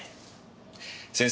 先生